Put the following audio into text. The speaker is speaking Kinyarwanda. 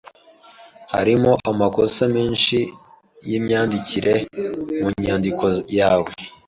Hariho amakosa menshi yimyandikire mu nyandiko yawe.